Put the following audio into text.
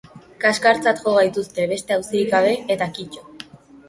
Kaskartzat jo gaituzte, beste auzirik gabe, eta kito.